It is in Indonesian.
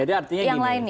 jadi artinya gini